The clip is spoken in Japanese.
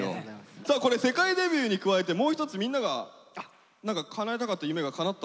さあこれ世界デビューに加えてもう一つみんなが何かかなえたかった夢がかなったんでしょ？